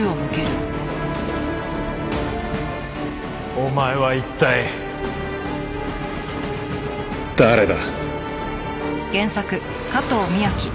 お前は一体誰だ？